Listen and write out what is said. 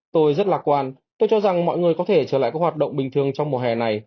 tôi rất lạc quan tôi cho rằng mọi người có thể trở lại các hoạt động bình thường trong mùa hè này